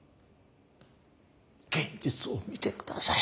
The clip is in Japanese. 現実を見てください。